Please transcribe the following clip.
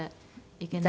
はい。